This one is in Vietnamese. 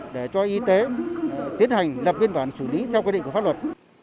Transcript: để cho y tế tiến hành lập biên bản xử lý theo quy định của pháp luật